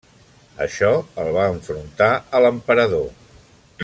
Això el va enfrontar a l'Emperador.